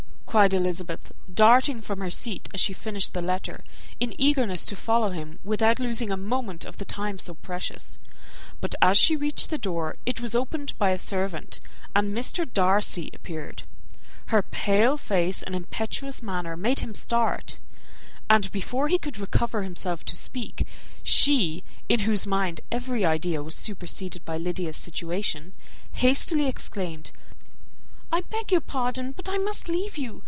cried Elizabeth, darting from her seat as she finished the letter, in eagerness to follow him, without losing a moment of the time so precious; but as she reached the door, it was opened by a servant, and Mr. Darcy appeared. Her pale face and impetuous manner made him start, and before he could recover himself enough to speak, she, in whose mind every idea was superseded by Lydia's situation, hastily exclaimed, "I beg your pardon, but I must leave you.